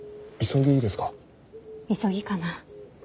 急ぎかな。